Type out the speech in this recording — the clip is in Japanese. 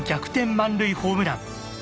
満塁ホームラン。